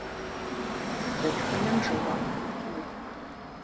Дэтхэнэм жэуап къитыну?